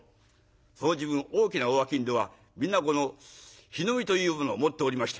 その時分大きなお商人は皆この火の見というものを持っておりまして。